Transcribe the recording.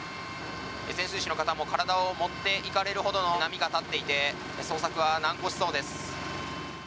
潜水士の方も体を持っていかれるほどの波が立っていて捜索は難航しそうです。